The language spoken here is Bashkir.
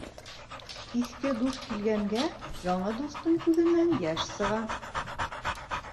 Иҫке дуҫ килгәнгә яңы дуҫтың күҙенән йәш сыға.